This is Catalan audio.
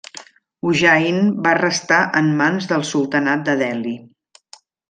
Ujjain va restar en mans del sultanat de Delhi.